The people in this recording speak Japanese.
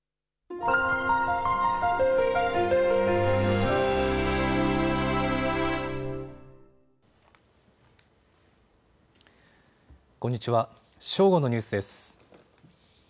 正午のニュースです。